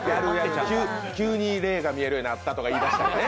急に霊が見えるようになったと言い出したりね。